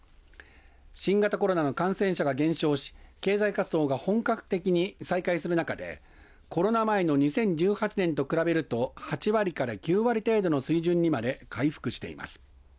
新型コロナの感染者が減少し経済活動が本格的に再開する中でコロナ前の２０１８年と比べると８割から９割程度の水準にまで回復しています。